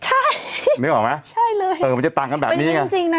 ใช่นึกออกไหมใช่เลยเออมันจะต่างกันแบบนี้ไงเป็นจริงจริงน่ะพี่บอส